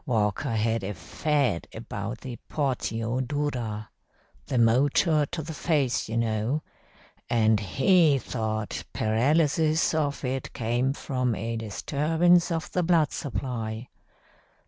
Walker had a fad about the portio dura the motor to the face, you know and he thought paralysis of it came from a disturbance of the blood supply.